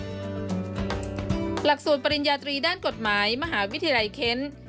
หลักสูตรปริญญาตรีด้านกฎหมายมหาวิทยาลัยเ